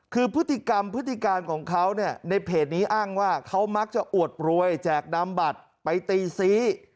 คือพฤติกรรมพฤติการของเขาเนี่ยในเพจนี้อ้างว่าเขามักจะอวดรวยแจกนำบัตรไปตีซี